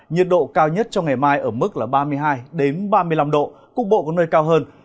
nhiệt độ cao nhất trong ngày mai ở mức là ba mươi hai ba mươi năm độ cục bộ có nơi cao hơn